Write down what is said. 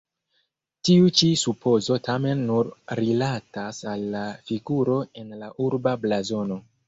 Tiu ĉi supozo tamen nur rilatas al la figuro en la urba blazono.